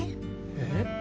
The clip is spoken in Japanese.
えっ？